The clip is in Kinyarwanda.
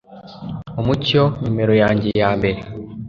umucyo numero yanjye ya mbere